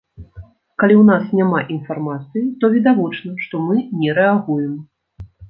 Калі ў нас няма інфармацыі, то відавочна, што мы не рэагуем.